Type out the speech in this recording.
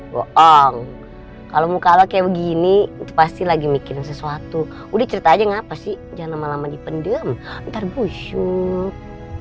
goong kalau muka lo kayak begini itu pasti lagi mikirin sesuatu udah cerita aja gak apa sih jangan lama lama dipendem entar busuk